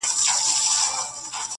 او زرګونه پيښي کيږي